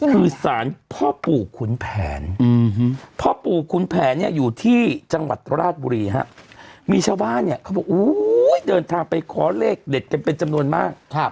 คือสารพ่อปู่ขุนแผนพ่อปู่ขุนแผนอยู่ที่จังหวัดตระราชบุรีมีชาวบ้านเขาบอกโอ้ยเดินทางไปขอเลขเด็ดเป็นจำนวนมาก